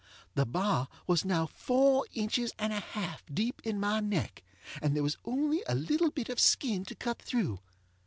The bar was now four inches and a half deep in my neck, and there was only a little bit of skin to cut through.